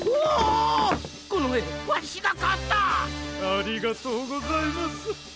ありがとうございます。